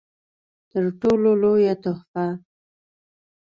تر ټولو لويه تحفه